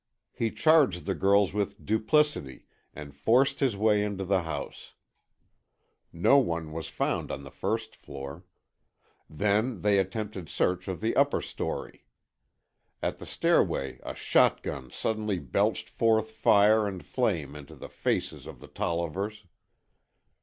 He charged the girls with duplicity and forced his way into the house. No one was found on the first floor. Then they attempted search of the upper story. At the stairway a shotgun suddenly belched forth fire and flame into the faces of the Tollivers.